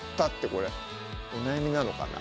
これお悩みなのかな？